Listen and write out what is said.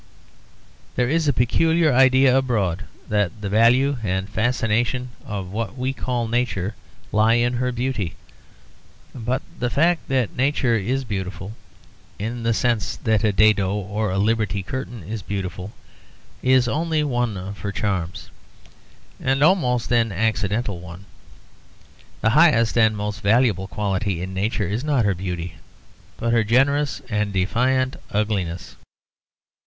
There is a peculiar idea abroad that the value and fascination of what we call Nature lie in her beauty. But the fact that Nature is beautiful in the sense that a dado or a Liberty curtain is beautiful, is only one of her charms, and almost an accidental one. The highest and most valuable quality in Nature is not her beauty, but her generous and defiant ugliness.